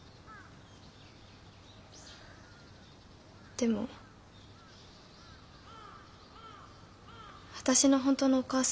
でも私の本当のお母様